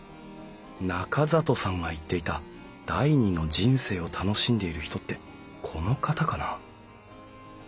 中里さんが言っていた第２の人生を楽しんでいる人ってこの方かな？